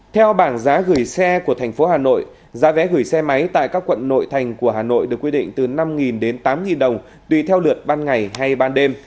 theo bảng giá gửi xe của thành phố hà nội giá vé gửi xe máy tại các quận nội thành của hà nội được quy định từ năm đến tám đồng tùy theo lượt ban ngày hay ban đêm